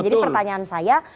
jadi pertanyaan saya